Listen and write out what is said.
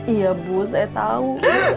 iya bu saya tau